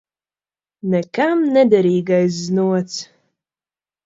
Nekam nederīgais znots.